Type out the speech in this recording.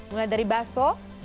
mulai dari bakso